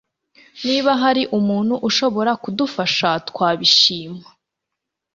Niba hari umuntu ushobora kudufasha, twabishima.